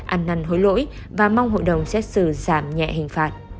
ăn năn hối lỗi và mong hội đồng xét xử giảm nhẹ hình phạt